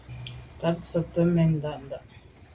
Tàb tshobt’é mèn nda’nda’.